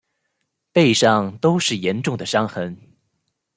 背上都是严重的伤痕